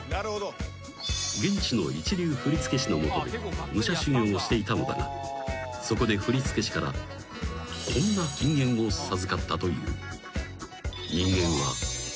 ［現地の一流振付師の下で武者修行をしていたのだがそこで振付師からこんな金言を授かったという］